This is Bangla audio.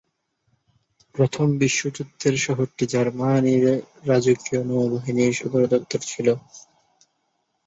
প্রথম বিশ্বযুদ্ধে শহরটি জার্মানির রাজকীয় নৌবাহিনীর সদর দফতর ছিল।